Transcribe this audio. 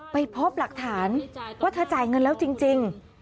ไปพบหลักฐานว่าเธอจ่ายเงินแล้วจริง